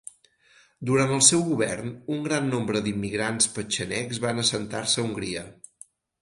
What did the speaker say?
Durant el seu govern, un gran nombre d'immigrants petxenegs van assentar-se a Hongria.